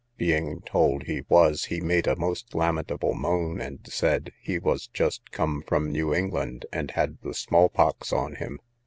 Being told he was, he made a most lamentable moan, and said, he was just come from New England, and had the small pox on him.